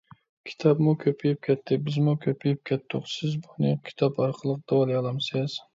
_ كىتابمۇ كۆپىيىپ كەتتى، بىزمۇ كۆپىيىپ كەتتۇق. سىز بۇنى كىتاب ئارقىلىق داۋالىيالامسىز؟